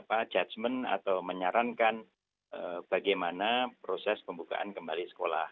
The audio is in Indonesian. kemudian ada yang juga bisa membuat ini judgment atau menyarankan bagaimana proses pembukaan kembali sekolah